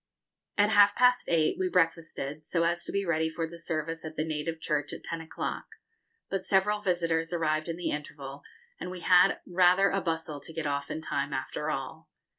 At half past eight we breakfasted, so as to be ready for the service at the native church at ten o'clock; but several visitors arrived in the interval, and we had rather a bustle to get off in time, after all.